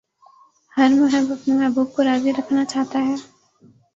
ہر محب اپنے محبوب کو راضی رکھنا چاہتا ہے